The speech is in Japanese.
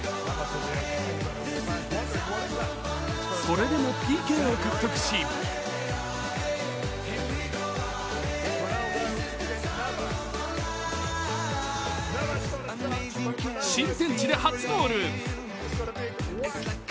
それでもＰＫを獲得し新天地で初ゴール。